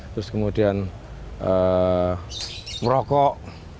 terus kemudian merokok